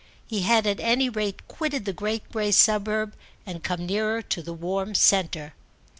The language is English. He had at any rate quitted the great grey suburb and come nearer to the warm centre.